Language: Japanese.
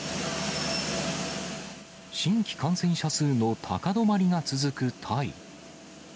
新規感染者数の高止まりが続くタイ。